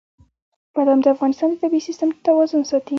بادام د افغانستان د طبعي سیسټم توازن ساتي.